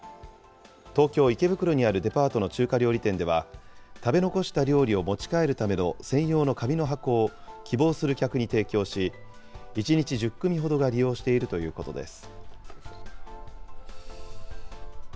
東京・池袋にあるデパートの中華料理店では、食べ残した料理を持ち帰るための専用の紙の箱を、希望する客に提供し、１日１０組ほどが利用しているということです。